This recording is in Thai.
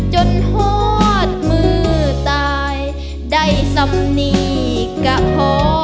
จนโฮดมือตายได้สำนีกกะพ่อ